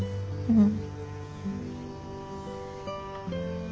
うん。